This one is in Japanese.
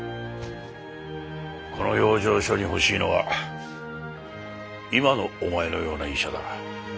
この養生所に欲しいのは今のお前のような医者だ。